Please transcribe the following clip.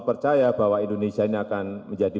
percaya bahwa indonesia ini akan menjadi